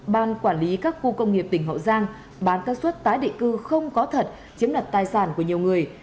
ban quản lý các khu công nghiệp tỉnh hậu giang bán các suất tái định cư không có thật chiếm đặt tài sản của nhiều người